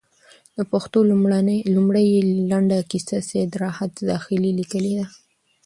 د پښتو لومړۍ لنډه کيسه، سيدراحت زاخيلي ليکلې ده